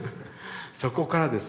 そこからです